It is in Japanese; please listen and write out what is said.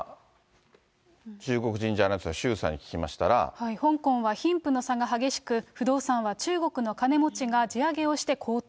中国人ジャーナリストの周さんに香港は貧富の差が激しく、不動産は中国の金持ちが地上げをして高騰。